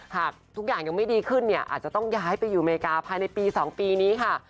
หากทุกอย่างยังไม่ดีขึ้นเนี่ยอาจจะต้องย้ายไปอยู่อเมริกาภายในปี๒ปีนี้ค่ะ